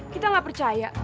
kita gak percaya